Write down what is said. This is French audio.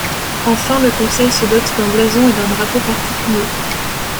Enfin, le Conseil se dote d'un blason et d'un drapeau particuliers.